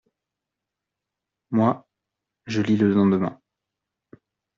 Moi ?… je le lis le lendemain…